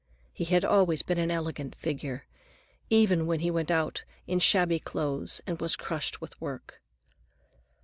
He had always been an elegant figure, even when he went about in shabby clothes and was crushed with work.